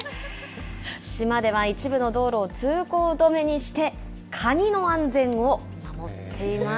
島では一部の道路を通行止めにして、カニの安全を守っています。